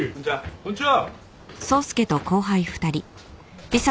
こんにちは。